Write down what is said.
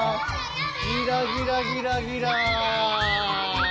ギラギラギラギラ。